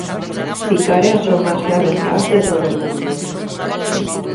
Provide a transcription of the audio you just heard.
Picar e asomarse a ventás de todo o mundo.